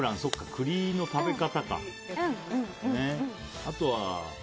栗の食べ方。